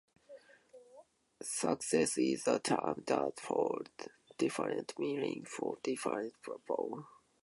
Success is a term that holds different meanings for different people.